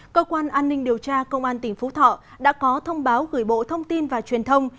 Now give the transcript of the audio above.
cơ quan an ninh điều tra công an tỉnh phú thọ đã có thông báo gửi bộ thông tin và truyền thông